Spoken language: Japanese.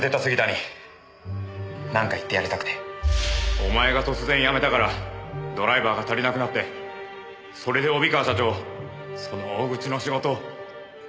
お前が突然辞めたからドライバーが足りなくなってそれで帯川社長その大口の仕事を断ったんだよ。